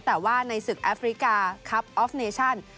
แต่ว่าในศึกแอฟริกาครับออฟเนชั่น